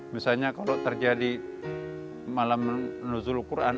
misalnya kalau terjadi malam menuzul al quran